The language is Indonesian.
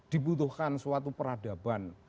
dibutuhkan suatu peradaban